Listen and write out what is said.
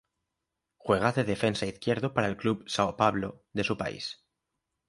Juega de defensa izquierdo para el club São Paulo de su país.